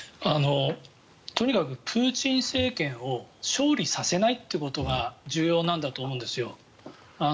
とにかくプーチン政権を勝利させないということが重要なんだと思うんですよ。